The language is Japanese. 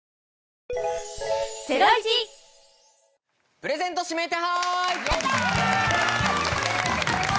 ⁉プレゼント指名手配！